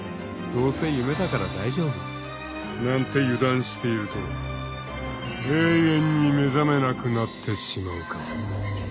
［「どうせ夢だから大丈夫」なんて油断していると永遠に目覚めなくなってしまうかも］